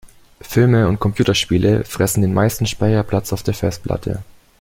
Filme und Computerspiele fressen den meisten Speicherplatz auf der Festplatte.